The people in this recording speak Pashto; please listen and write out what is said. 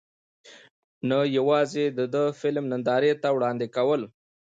نۀ يواځې د دې فلم نندارې ته وړاندې کول